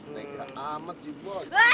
negra amat si bos